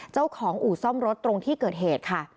เจ้าของอู่ซ่อมรถตรงที่เกิดเหตุค่ะ